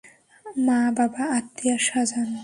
মা, বাবা, আত্মীয়স্বজন।